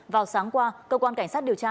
vào sáng qua cơ quan cảnh sát điều tra